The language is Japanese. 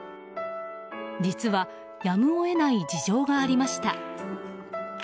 実は、やむを得ない事情がありました。